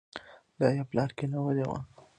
دا يې پلار کېنولې وه.